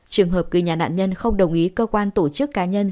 trường hợp người nhà nạn nhân không đồng ý cơ quan tổ chức cá nhân